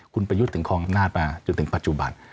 คุณประยุทธ์ถึงของครอบครัฟท์มาจนถึงปัจจุบัน